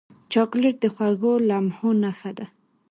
چاکلېټ د خوږو لمحو نښه ده.